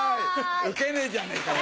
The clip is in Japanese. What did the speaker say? ウケねえじゃねぇかよ。